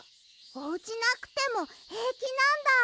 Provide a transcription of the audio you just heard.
おうちなくてもへいきなんだ。